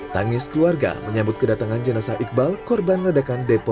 tangis keluarga menyambut kedatangan jenazah iqbal korban ledakan depo